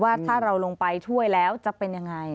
ว่าถ้าเราลงไปช่วยแล้วจะเป็นยังไง